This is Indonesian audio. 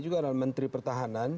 juga adalah menteri pertahanan